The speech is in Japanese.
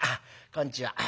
「こんちは」。